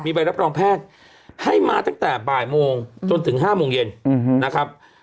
ใบรับรองแพทย์ให้มาตั้งแต่บ่ายโมงจนถึง๕โมงเย็นนะครับ